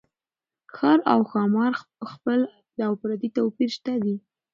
ښار او ښامار خپل او پردي توپير شته دي